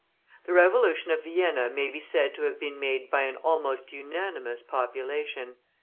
The Revolution of Vienna may be said to have been made by an almost unanimous population.